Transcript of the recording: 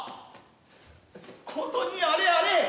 ことにあれ